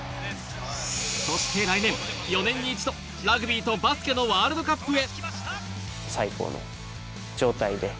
そして来年、４年に一度、ラグビーとバスケのワールドカップへ。